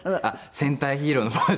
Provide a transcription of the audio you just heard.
戦隊ヒーローのポーズ。